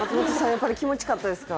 やっぱり気持ちよかったですか？